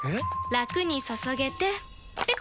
ラクに注げてペコ！